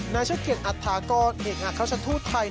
นายเชฟเกียร์อัททาก็เห็นอาคารชัดทูตไทย